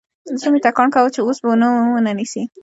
زړه مې ټکان کاوه چې اوس ومو نه نيسي.